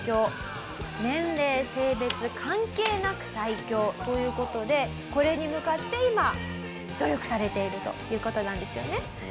年齢性別関係なく最強という事でこれに向かって今努力されているという事なんですよね？